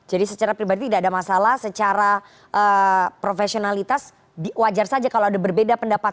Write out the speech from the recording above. jadi secara pribadi tidak ada masalah secara profesionalitas wajar saja kalau ada berbeda pendapat